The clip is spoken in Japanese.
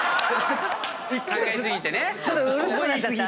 ちょっとうるさくなっちゃった？